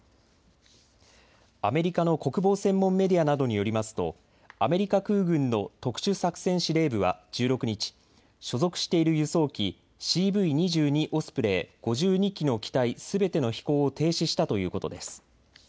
アメリカの国防専門メディアなどによりますとアメリカ空軍の特殊作戦司令部は１６日、所属している輸送機、ＣＶ２２オスプレイ５２機の機体すべての飛行を停止したということです。